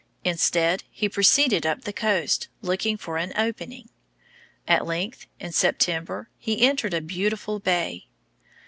Instead, he proceeded up the coast, looking for an opening. At length, in September, he entered a beautiful bay.